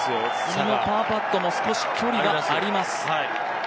このパーパットも少し距離があります。